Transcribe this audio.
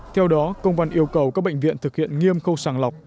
theo đó công văn yêu cầu các bệnh viện thực hiện nghiêm khâu sàng lọc